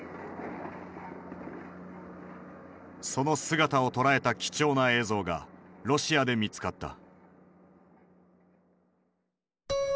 その姿を捉えた貴重な映像がロシアで見つかった。